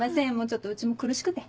ちょっとうちも苦しくて。